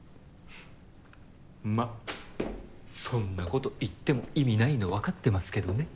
まっそんなこと言っても意味ないの分かってますけどね